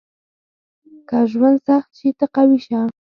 • که ژوند سخت شي، ته قوي شه.